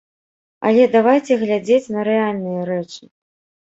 Але давайце глядзець на рэальныя рэчы.